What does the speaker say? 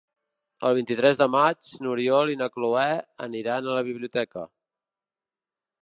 El vint-i-tres de maig n'Oriol i na Cloè aniran a la biblioteca.